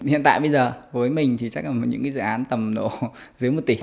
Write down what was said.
hiện tại bây giờ với mình thì chắc là những dự án tầm nổ dưới một tỉnh